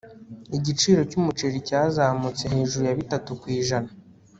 igiciro cyumuceri cyazamutse hejuru ya bitatu ku ijana